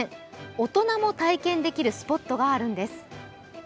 大人も体験できるスポットがあるんです。